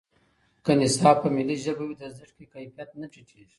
که نصاب په ملي ژبه وي، د زده کړې کیفیت نه ټیټېږي.